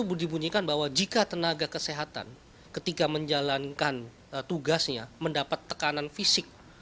itu dibunyikan bahwa jika tenaga kesehatan ketika menjalankan tugasnya mendapat tekanan fisik